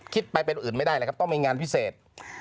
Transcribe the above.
คิดไปเป็นอื่นไม่ได้เลยครับต้องมีงานพิเศษ